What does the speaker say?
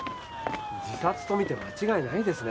自殺と見て間違いないですね。